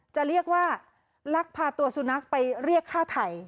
จะเรียกว่าลักพาตัวสุนัขไปเรียกฆ่าไทย